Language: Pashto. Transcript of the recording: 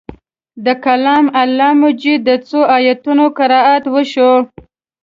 د کلام الله مجید د څو آیتونو قرائت وشو.